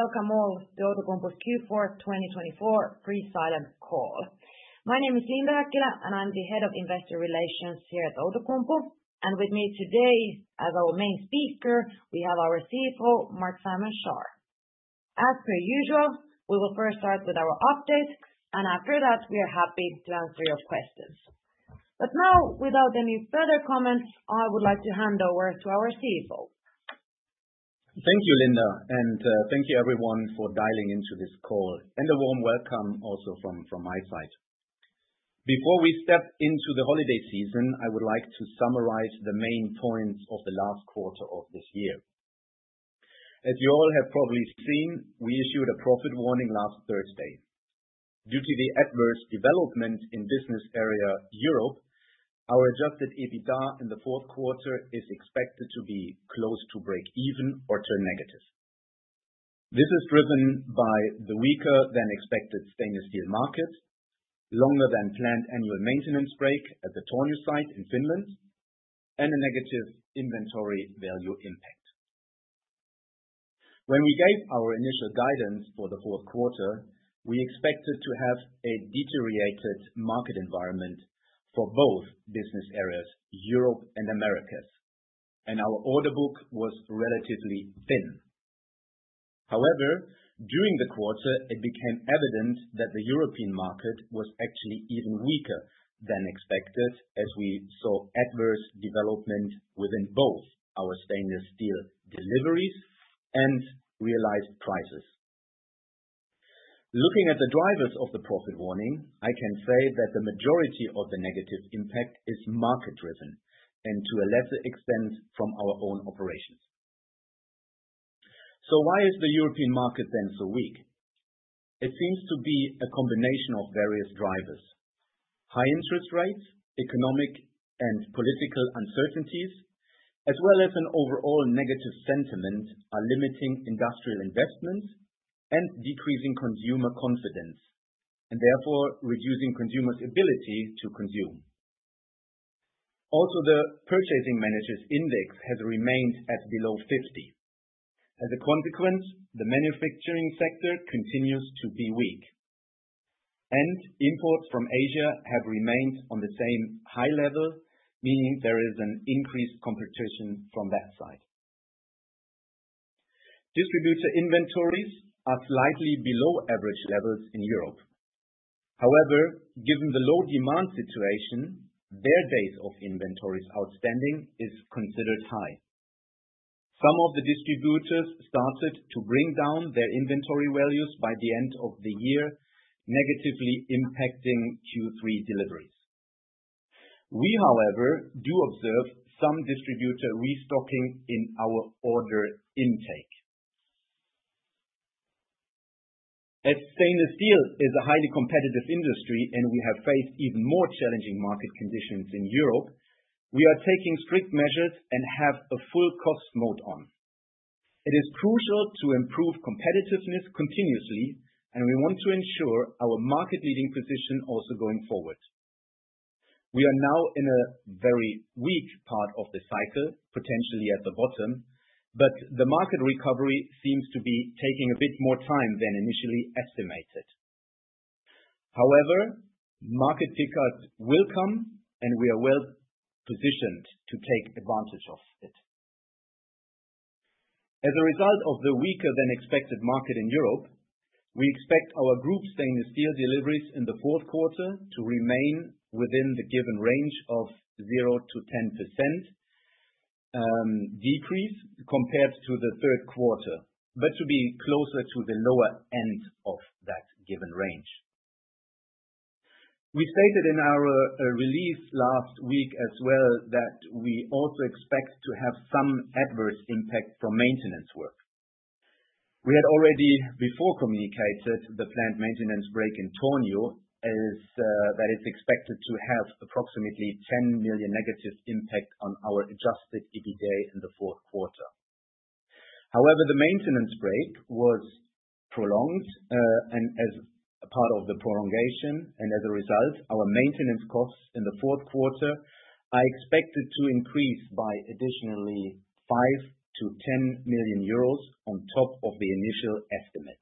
Welcome all to Outokumpu Heikki Malinen Q4 2024 Pre-Sale Call. My name is Linda Häkkilä, and I'm the Head of Investor Relations here at Outokumpu. With me today, as our main speaker, we have our CFO, Marc-Simon Schaar. As per usual, we will first start with our update, and after that, we are happy to answer your questions. But now, without any further comments, I would like to hand over to our CFO. Thank you, Linda, and thank you everyone for dialing into this call, and a warm welcome also from my side. Before we step into the holiday season, I would like to summarize the main points of the last quarter of this year. As you all have probably seen, we issued a profit warning last Thursday. Due to the adverse development in business area Europe, our adjusted EBITDA in the fourth quarter is expected to be close to break-even or turn negative. This is driven by the weaker-than-expected stainless steel market, longer-than-planned annual maintenance break at the Tornio site in Finland, and a negative inventory value impact. When we gave our initial guidance for the fourth quarter, we expected to have a deteriorated market environment for both business areas, Europe and Americas, and our order book was relatively thin. However, during the quarter, it became evident that the European market was actually even weaker than expected, as we saw adverse development within both our stainless steel deliveries and realized prices. Looking at the drivers of the profit warning, I can say that the majority of the negative impact is market-driven and, to a lesser extent, from our own operations. So why is the European market then so weak? It seems to be a combination of various drivers: high interest rates, economic and political uncertainties, as well as an overall negative sentiment are limiting industrial investments and decreasing consumer confidence, and therefore reducing consumers' ability to consume. Also, the Purchasing Managers' Index has remained at below 50. As a consequence, the manufacturing sector continues to be weak, and imports from Asia have remained on the same high level, meaning there is an increased competition from that side. Distributor inventories are slightly below average levels in Europe. However, given the low demand situation, their days of inventories outstanding is considered high. Some of the distributors started to bring down their inventory values by the end of the year, negatively impacting Q3 deliveries. We, however, do observe some distributor restocking in our order intake. As stainless steel is a highly competitive industry and we have faced even more challenging market conditions in Europe, we are taking strict measures and have a full cost mode on. It is crucial to improve competitiveness continuously, and we want to ensure our market-leading position also going forward. We are now in a very weak part of the cycle, potentially at the bottom, but the market recovery seems to be taking a bit more time than initially estimated. However, market upticks will come, and we are well positioned to take advantage of it. As a result of the weaker-than-expected market in Europe, we expect our group stainless steel deliveries in the fourth quarter to remain within the given range of 0%-10% decrease compared to the third quarter, but to be closer to the lower end of that given range. We stated in our release last week as well that we also expect to have some adverse impact from maintenance work. We had already before communicated the planned maintenance break in Tornio, as that is expected to have approximately 10 million negative impact on our Adjusted EBITDA in the fourth quarter. However, the maintenance break was prolonged, and as part of the prolongation, and as a result, our maintenance costs in the fourth quarter are expected to increase by additionally 5 million-10 million euros on top of the initial estimate.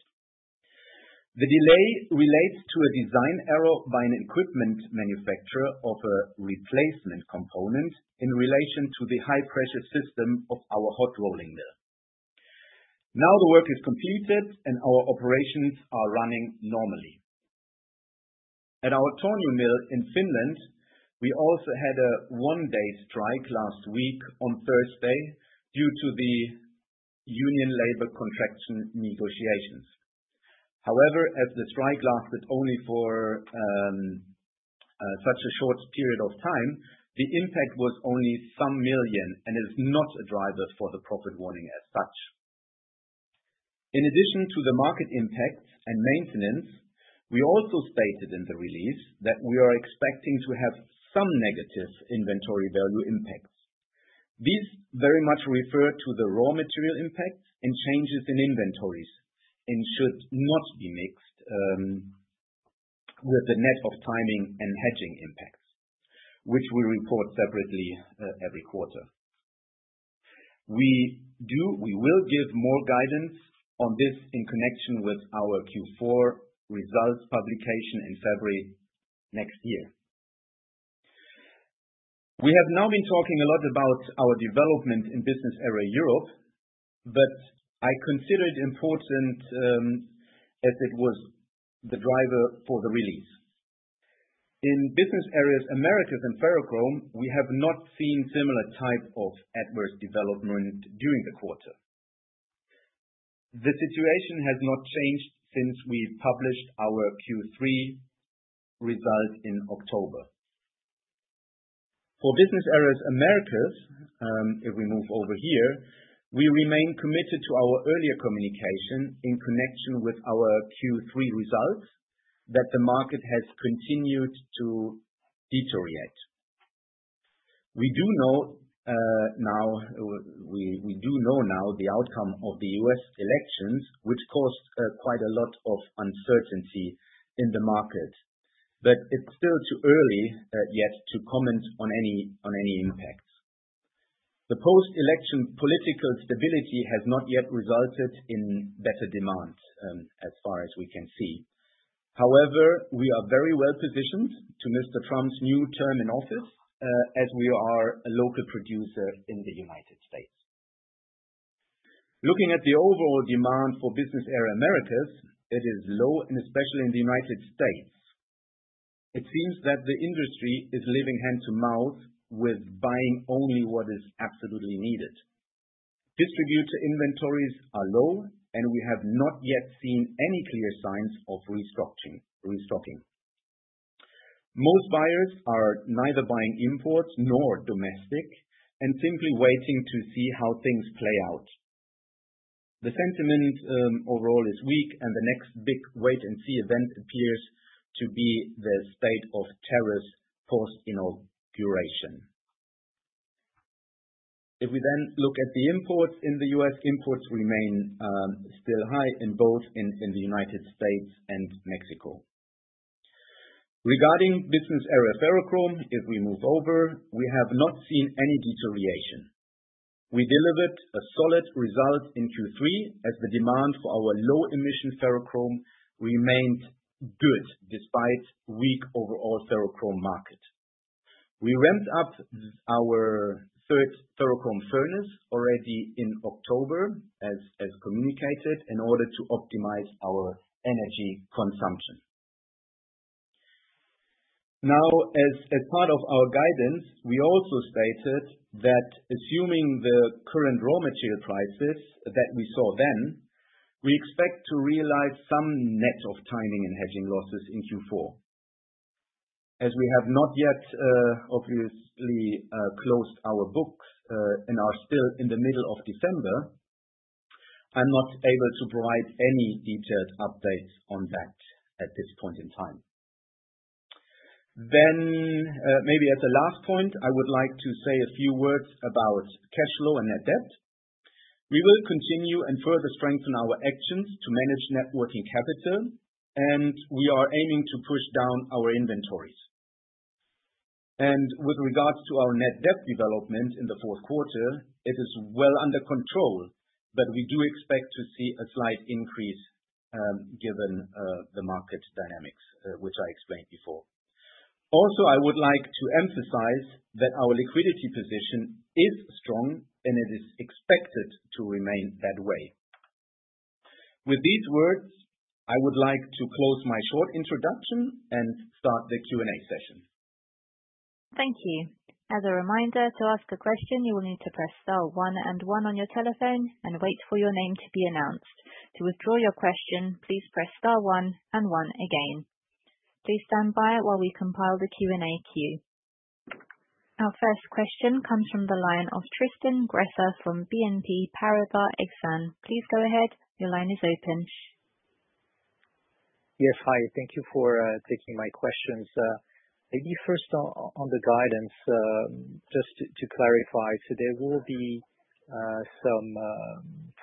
The delay relates to a design error by an equipment manufacturer of a replacement component in relation to the high-pressure system of our hot rolling mill. Now the work is completed, and our operations are running normally. At our Tornio mill in Finland, we also had a one-day strike last week on Thursday due to the union labor contract negotiations. However, as the strike lasted only for such a short period of time, the impact was only some million and is not a driver for the profit warning as such. In addition to the market impacts and maintenance, we also stated in the release that we are expecting to have some negative inventory value impacts. These very much refer to the raw material impacts and changes in inventories and should not be mixed with the net timing and hedging impacts, which we report separately every quarter. We will give more guidance on this in connection with our Q4 results publication in February next year. We have now been talking a lot about our development in business area Europe, but I consider it important as it was the driver for the release. In business areas, Americas and Ferrochrome, we have not seen a similar type of adverse development during the quarter. The situation has not changed since we published our Q3 result in October. For business areas, Americas, if we move over here, we remain committed to our earlier communication in connection with our Q3 results that the market has continued to deteriorate. We do know now the outcome of the U.S. elections, which caused quite a lot of uncertainty in the market, but it's still too early yet to comment on any impacts. The post-election political stability has not yet resulted in better demand as far as we can see. However, we are very well positioned to Mr. Trump's new term in office as we are a local producer in the United States. Looking at the overall demand for business area Americas, it is low, and especially in the United States. It seems that the industry is living hand-to-mouth with buying only what is absolutely needed. Distributor inventories are low, and we have not yet seen any clear signs of restocking. Most buyers are neither buying imports nor domestic and simply waiting to see how things play out. The sentiment overall is weak, and the next big wait-and-see event appears to be the inauguration. If we then look at the imports in the U.S., imports remain still high in both the United States and Mexico. Regarding business area Ferrochrome, if we move over, we have not seen any deterioration. We delivered a solid result in Q3 as the demand for our low-emission Ferrochrome remained good despite a weak overall Ferrochrome market. We ramped up our third Ferrochrome furnace already in October, as communicated, in order to optimize our energy consumption. Now, as part of our guidance, we also stated that assuming the current raw material prices that we saw then, we expect to realize some net of timing and hedging losses in Q4. As we have not yet obviously closed our books and are still in the middle of December, I'm not able to provide any detailed updates on that at this point in time. Then, maybe as a last point, I would like to say a few words about cash flow and net debt. We will continue and further strengthen our actions to manage net working capital, and we are aiming to push down our inventories, and with regards to our net debt development in the fourth quarter, it is well under control, but we do expect to see a slight increase given the market dynamics, which I explained before. Also, I would like to emphasize that our liquidity position is strong, and it is expected to remain that way. With these words, I would like to close my short introduction and start the Q&A session. Thank you. As a reminder, to ask a question, you will need to press star one and one on your telephone and wait for your name to be announced. To withdraw your question, please press star one and one again. Please stand by while we compile the Q&A queue. Our first question comes from the line of Tristan Gresser from BNP Paribas Exane. Please go ahead. Your line is open. Yes, hi. Thank you for taking my questions. Maybe first on the guidance, just to clarify, so there will be some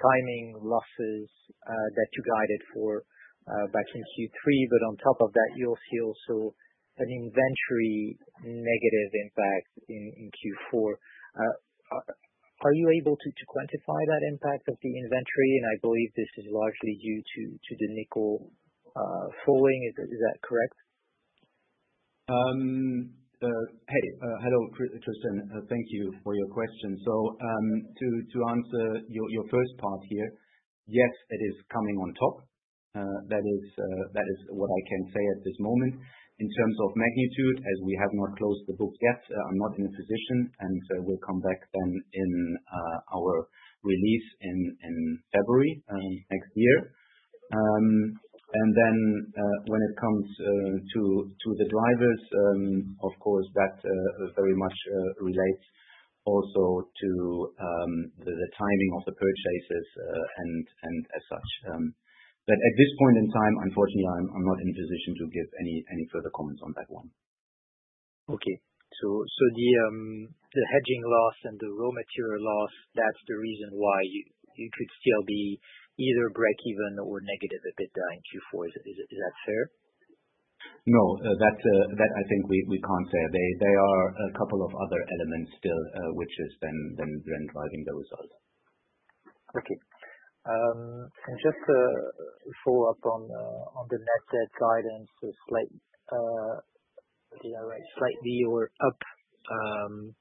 timing losses that you guided for back in Q3, but on top of that, you'll see also an inventory negative impact in Q4. Are you able to quantify that impact of the inventory? And I believe this is largely due to the nickel falling. Is that correct? Hello, Tristan. Thank you for your question. So to answer your first part here, yes, it is coming on top. That is what I can say at this moment. In terms of magnitude, as we have not closed the book yet, I'm not in a position, and we'll come back then in our release in February next year. And then when it comes to the drivers, of course, that very much relates also to the timing of the purchases and as such. But at this point in time, unfortunately, I'm not in a position to give any further comments on that one. Okay. So the hedging loss and the raw material loss, that's the reason why you could still be either break-even or negative EBITDA in Q4. Is that fair? No, that I think we can't say. There are a couple of other elements still which is then driving the result. Okay. And just to follow up on the net debt guidance, slightly or up,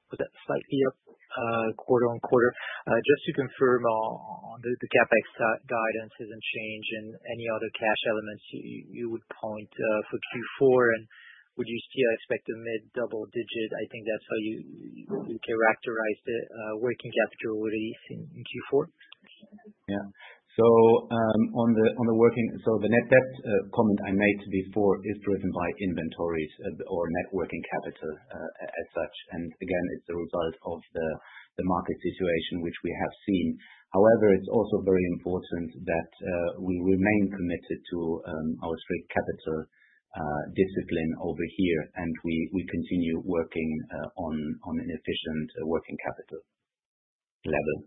was that slightly up quarter on quarter? Just to confirm, the CapEx guidance isn't changing any other cash elements you would point for Q4, and would you still expect a mid-double digit? I think that's how you characterize the working capital release in Q4. So on the working capital, the net debt comment I made before is driven by inventories or working capital as such. Again, it's the result of the market situation which we have seen. However, it's also very important that we remain committed to our strict capital discipline over here, and we continue working on an efficient working capital level.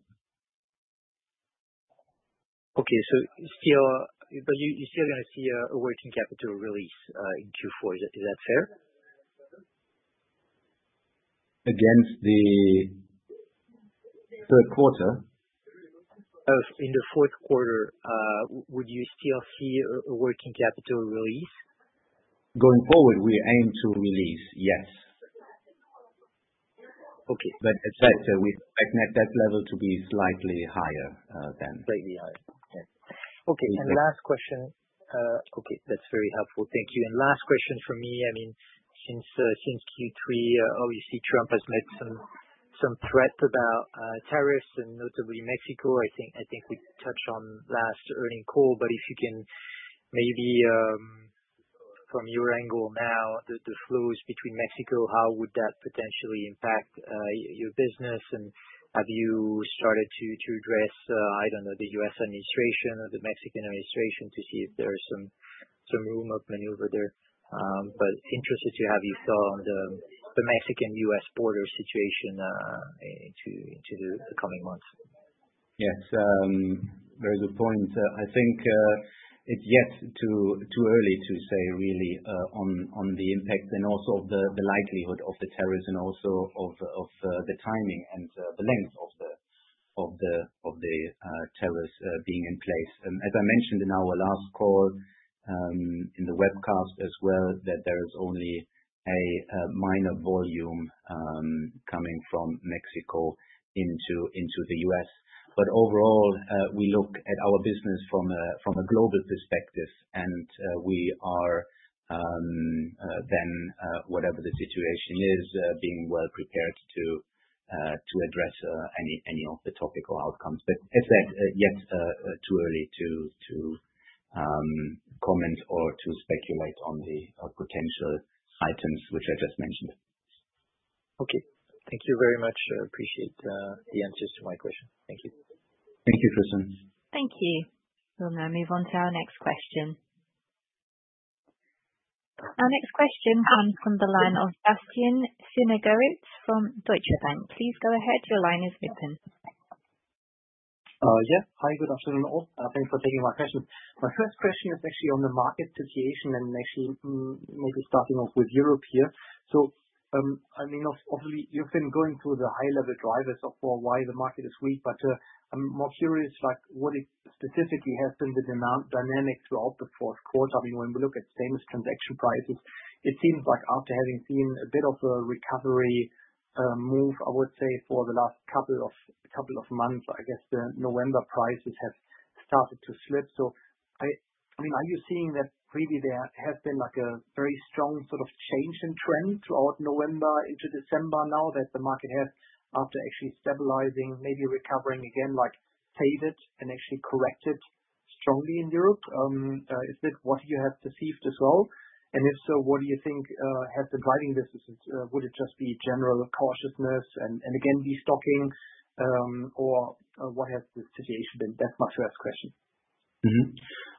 Okay, but you're still going to see a working capital release in Q4. Is that fair? Against the third quarter? In the fourth quarter, would you still see a working capital release? Going forward, we aim to release, yes, but expect that net debt level to be slightly higher than. Slightly higher. Okay. And last question. Okay. That's very helpful. Thank you. And last question for me. I mean, since Q3, obviously, Trump has made some threats about tariffs and notably Mexico. I think we touched on last earnings call, but if you can maybe from your angle now, the flows between Mexico, how would that potentially impact your business? And have you started to address, I don't know, the U.S. administration or the Mexican administration to see if there is some room of maneuver there? But interested to have your thought on the Mexican-U.S. border situation into the coming months. Yes, very good point. I think it's yet too early to say really on the impact and also of the likelihood of the tariffs and also of the timing and the length of the tariffs being in place. As I mentioned in our last call in the webcast as well, that there is only a minor volume coming from Mexico into the U.S. But overall, we look at our business from a global perspective, and we are then, whatever the situation is, being well prepared to address any of the topical outcomes. But it's yet too early to comment or to speculate on the potential items which I just mentioned. Okay. Thank you very much. I appreciate the answers to my question. Thank you. Thank you, Tristan. Thank you. We'll now move on to our next question. Our next question comes from the line of Bastian Synagowitz from Deutsche Bank. Please go ahead. Your line is open. Yeah. Hi, good afternoon all. Thanks for taking my question. My first question is actually on the market situation and actually maybe starting off with Europe here. So I mean, obviously, you've been going through the high-level drivers of why the market is weak, but I'm more curious what specifically has been the demand dynamic throughout the fourth quarter. I mean, when we look at Fastmarkets transaction prices, it seems like after having seen a bit of a recovery move, I would say for the last couple of months, I guess the November prices have started to slip. So I mean, are you seeing that really there has been a very strong sort of change in trend throughout November into December now that the market has, after actually stabilizing, maybe recovering again, faded and actually corrected strongly in Europe? Is that what you have perceived as well? And if so, what do you think has been driving this? Would it just be general cautiousness and again, restocking, or what has the situation been? That's my first question.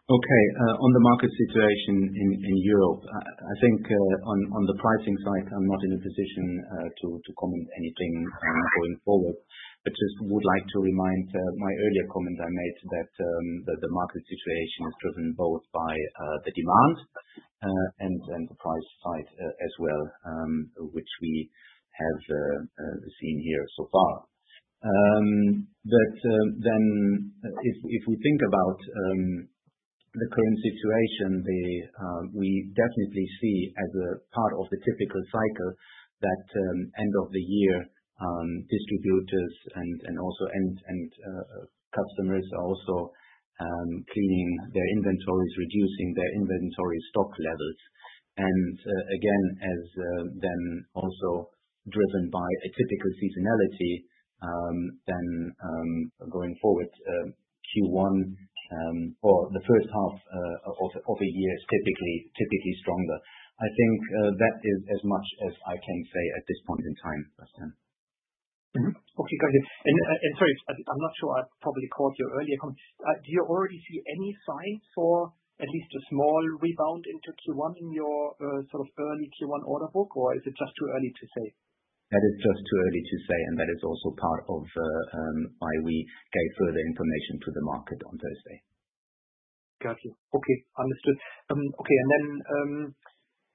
Okay. On the market situation in Europe, I think on the pricing side, I'm not in a position to comment anything going forward, but just would like to remind my earlier comment I made that the market situation is driven both by the demand and the price side as well, which we have seen here so far. But then if we think about the current situation, we definitely see as a part of the typical cycle that end of the year distributors and also customers are also cleaning their inventories, reducing their inventory stock levels. And again, as then also driven by a typical seasonality, then going forward, Q1 or the first half of a year is typically stronger. I think that is as much as I can say at this point in time, Tristan. Okay. Got it. And sorry, I'm not sure I probably caught your earlier comment. Do you already see any signs for at least a small rebound into Q1 in your sort of early Q1 order book, or is it just too early to say? That is just too early to say, and that is also part of why we gave further information to the market on Thursday. Got you. Okay. Understood. Okay. And then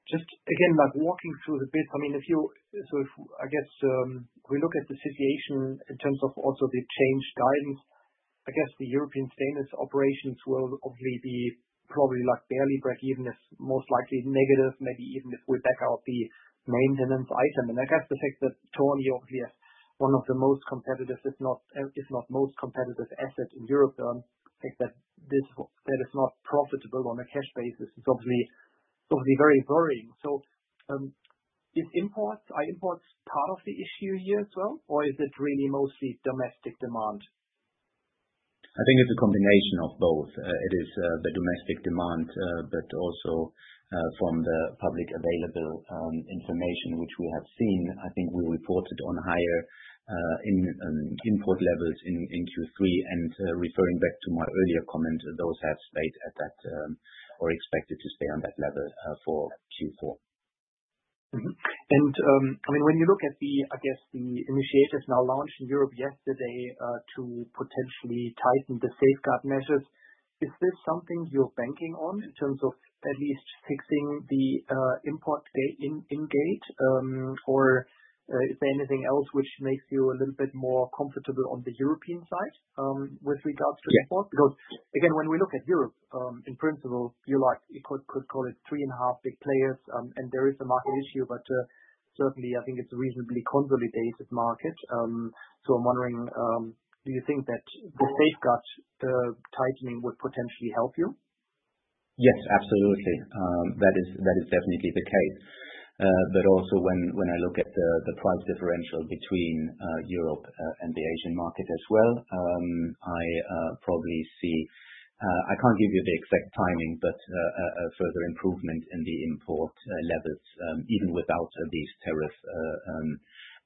just again, walking through the bit, I mean, if you sort of, I guess, we look at the situation in terms of also the change guidance, I guess the European ferrous operations will obviously be probably barely break-even, most likely negative, maybe even if we back out the maintenance item. And I guess the fact that Tornio obviously has one of the most competitive, if not most competitive assets in Europe, the fact that that is not profitable on a cash basis is obviously very worrying. So is imports part of the issue here as well, or is it really mostly domestic demand? I think it's a combination of both. It is the domestic demand, but also from the public available information which we have seen. I think we reported on higher import levels in Q3, and referring back to my earlier comment, those have stayed at that or expected to stay on that level for Q4. I mean, when you look at the, I guess, the initiatives now launched in Europe yesterday to potentially tighten the safeguard measures, is this something you're banking on in terms of at least fixing the import in-gate, or is there anything else which makes you a little bit more comfortable on the European side with regards to import? Because again, when we look at Europe, in principle, you could call it three and a half big players, and there is a market issue, but certainly, I think it's a reasonably consolidated market. So I'm wondering, do you think that the safeguard tightening would potentially help you? Yes, absolutely. That is definitely the case. But also when I look at the price differential between Europe and the Asian market as well, I probably see, I can't give you the exact timing, but a further improvement in the import levels even without these tariff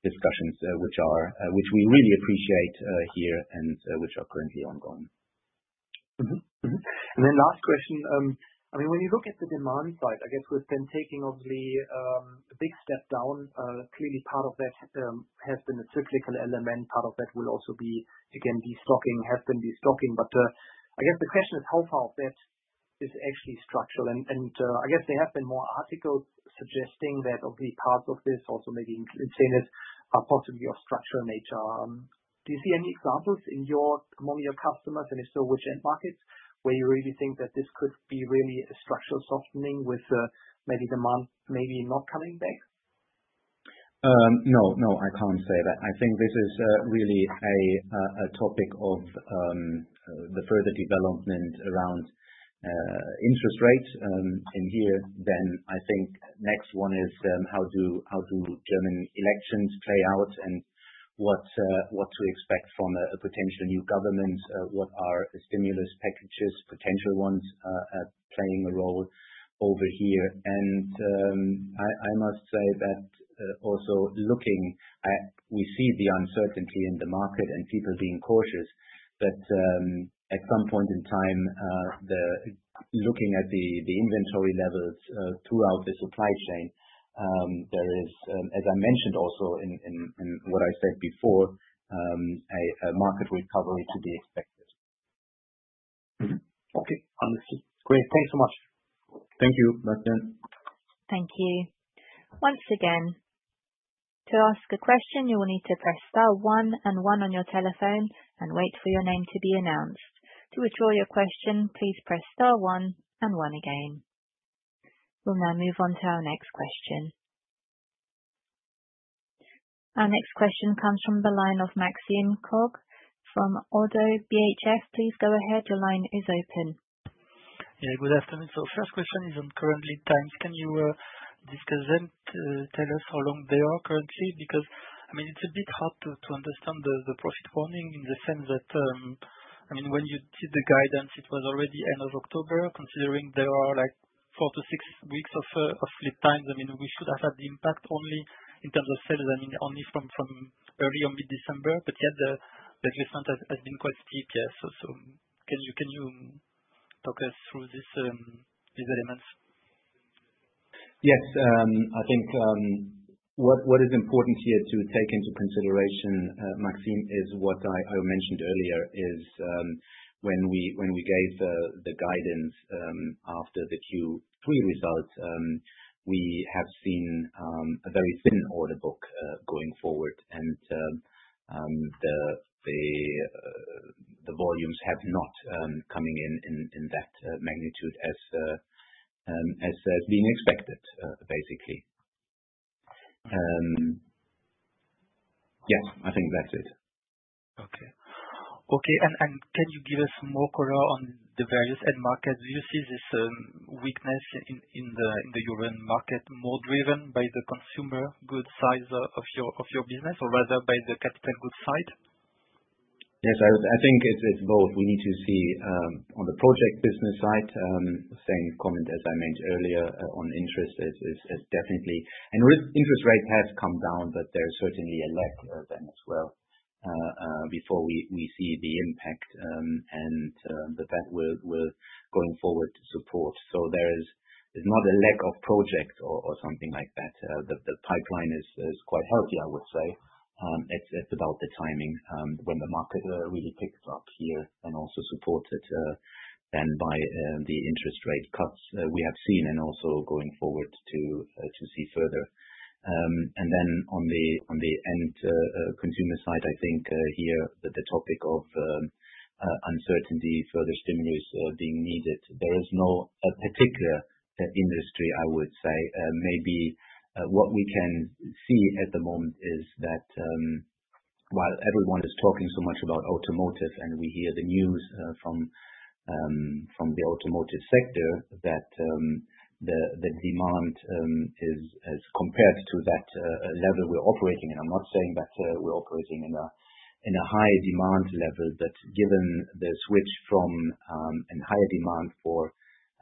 discussions, which we really appreciate here and which are currently ongoing. And then last question. I mean, when you look at the demand side, I guess we've been taking obviously a big step down. Clearly, part of that has been a cyclical element. Part of that will also be, again, restocking, has been restocking. But I guess the question is how far that is actually structural. And I guess there have been more articles suggesting that obviously parts of this also maybe in saying this are possibly of structural nature. Do you see any examples among your customers, and if so, which end markets, where you really think that this could be really a structural softening with maybe demand maybe not coming back? No, no, I can't say that. I think this is really a topic of the further development around interest rates in here, then I think next one is how do German elections play out and what to expect from a potential new government, what are stimulus packages, potential ones playing a role over here, and I must say that also looking, we see the uncertainty in the market and people being cautious, but at some point in time, looking at the inventory levels throughout the supply chain, there is, as I mentioned also in what I said before, a market recovery to be expected. Okay. Understood. Great. Thanks so much. Thank you, Bastian. Thank you. Once again, to ask a question, you will need to press star one and one on your telephone and wait for your name to be announced. To withdraw your question, please press star one and one again. We'll now move on to our next question. Our next question comes from the line of Maxime Kogge from ODDO BHF. Please go ahead. Your line is open. Yeah. Good afternoon. So first question is on current lead times. Can you just tell us how long they are currently? Because I mean, it's a bit hard to understand the profit warning in the sense that I mean, when you did the guidance, it was already end of October. Considering there are like four-to-six weeks of lead times, I mean, we should have had the impact only in terms of sales, I mean, only from early or mid-December, but yet the adjustment has been quite steep. Yeah. So can you walk us through these elements? Yes. I think what is important here to take into consideration, Maxim, is what I mentioned earlier, is when we gave the guidance after the Q3 results, we have seen a very thin order book going forward, and the volumes have not come in that magnitude as being expected, basically. Yes, I think that's it. Can you give us more color on the various end markets? Do you see this weakness in the European market more driven by the consumer goods side of your business, or rather by the capital goods side? Yes, I think it's both. We need to see on the project business side, same comment as I mentioned earlier on interest rates definitely and interest rates have come down, but there is certainly a lag then as well before we see the impact and the backlog going forward support, so there is not a lack of projects or something like that. The pipeline is quite healthy, I would say. It's about the timing when the market really picks up here and also supported then by the interest rate cuts we have seen and also going forward to see further, and then on the end consumer side, I think here the topic of uncertainty, further stimulus being needed. There is no particular industry, I would say. Maybe what we can see at the moment is that while everyone is talking so much about automotive and we hear the news from the automotive sector that the demand is compared to that level we're operating in. I'm not saying that we're operating in a high demand level, but given the switch from a higher demand for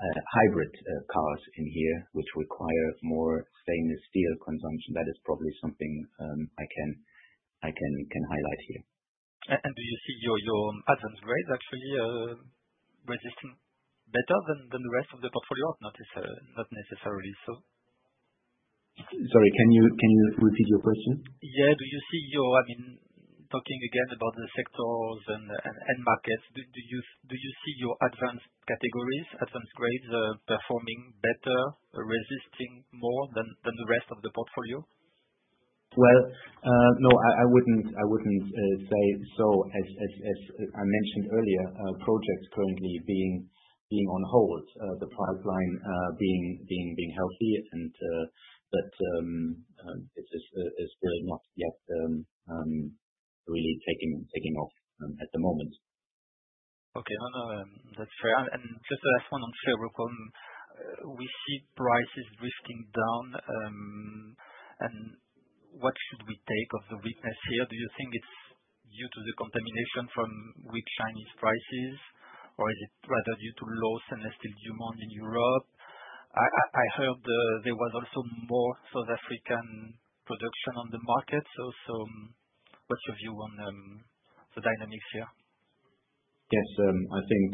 hybrid cars in here, which require more stainless steel consumption, that is probably something I can highlight here. Do you see your advanced grades actually resisting better than the rest of the portfolio? I've noticed not necessarily so. Sorry, can you repeat your question? Yeah. Do you see your, I mean, talking again about the sectors and markets, do you see your advanced categories, advanced grades performing better, resisting more than the rest of the portfolio? No, I wouldn't say so. As I mentioned earlier, projects currently being on hold, the pipeline being healthy, but it is still not yet really taking off at the moment. Okay. That's fair. And just the last one on ferrochrome, we see prices drifting down. And what should we take of the weakness here? Do you think it's due to the competition from weak Chinese prices, or is it rather due to low semi-finished steel demand in Europe? I heard there was also more South African production on the market. So what's your view on the dynamics here? Yes. I think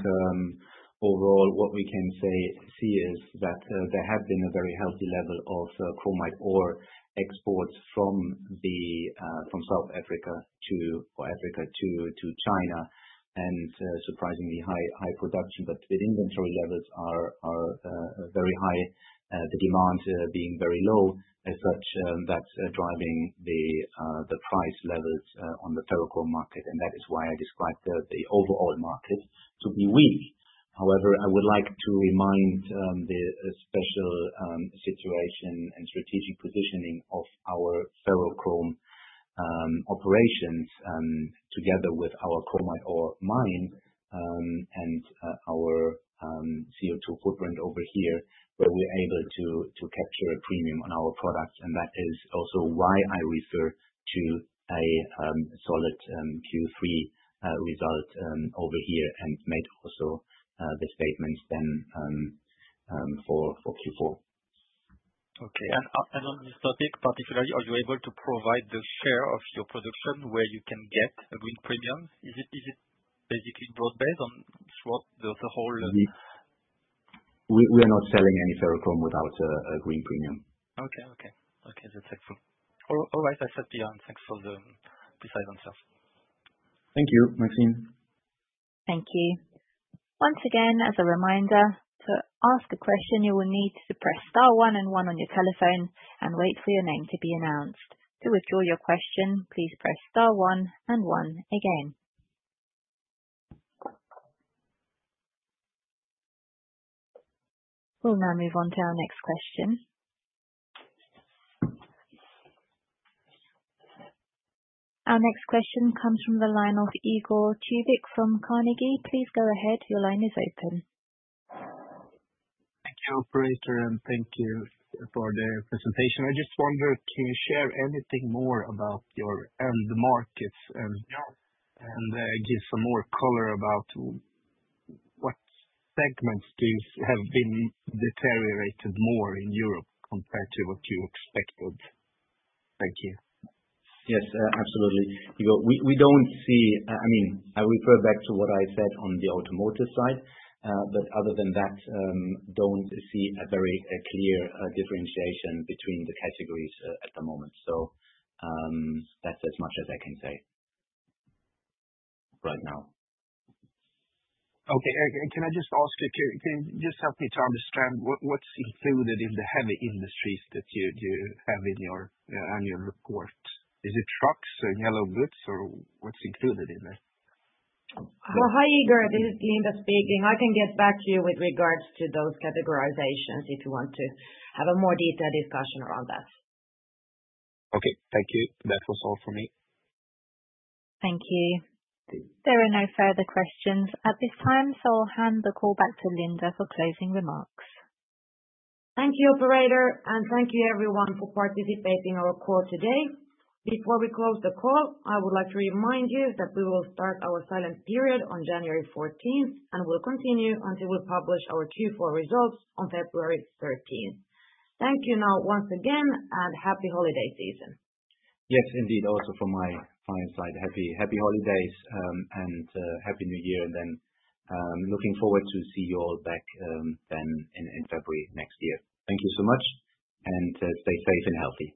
overall what we can see is that there has been a very healthy level of chromite ore exports from South Africa to Africa to China and surprisingly high production, but the inventory levels are very high, the demand being very low as such that's driving the price levels on the ferrochrome market. And that is why I described the overall market to be weak. However, I would like to remind the special situation and strategic positioning of our ferrochrome operations together with our chromite ore mines and our CO2 footprint over here where we're able to capture a premium on our products. And that is also why I refer to a solid Q3 result over here and made also the statements then for Q4. Okay. And on this topic particularly, are you able to provide the share of your production where you can get a green premium? Is it basically broad based throughout the whole? We are not selling any ferrochrome without a green premium. Okay. That's helpful. All right. That's it, Biyan. Thanks for the precise answers. Thank you, Maxime. Thank you. Once again, as a reminder, to ask a question, you will need to press star one and one on your telephone and wait for your name to be announced. To withdraw your question, please press star one and one again. We'll now move on to our next question. Our next question comes from the line of Igor Tubic from Carnegie. Please go ahead. Your line is open. Thank you, operator, and thank you for the presentation. I just wondered, can you share anything more about your end markets and give some more color about what segments have been deteriorated more in Europe compared to what you expected? Thank you. Yes, absolutely. We don't see, I mean, I refer back to what I said on the automotive side, but other than that, don't see a very clear differentiation between the categories at the moment. So that's as much as I can say right now. Okay, and can I just ask you, can you just help me to understand what's included in the heavy industries that you have in your annual report? Is it trucks or yellow goods, or what's included in there? Hi, Igor. This is Linda speaking. I can get back to you with regards to those categorizations if you want to have a more detailed discussion around that. Okay. Thank you. That was all for me. Thank you. There are no further questions at this time, so I'll hand the call back to Linda for closing remarks. Thank you, operator, and thank you everyone for participating in our call today. Before we close the call, I would like to remind you that we will start our silent period on January 14th and will continue until we publish our Q4 results on February 13th. Thank you now once again, and happy holiday season. Yes, indeed. Also from my side, happy holidays and Happy New Year, and then looking forward to see you all back then in February next year. Thank you so much, and stay safe and healthy.